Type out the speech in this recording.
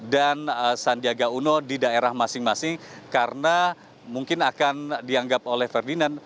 dan sandiaga uno di daerah masing masing karena mungkin akan dianggap oleh ferdinand